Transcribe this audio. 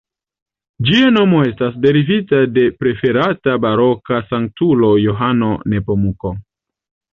Ĝia nomo estas derivita de preferata baroka sanktulo Johano Nepomuka.